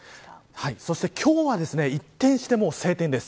そして今日は一転してもう晴天です。